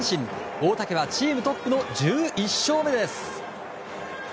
大竹はチームトップの１１勝目です。